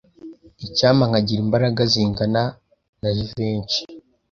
Icyampa nkagira imbaraga zingana na Jivency.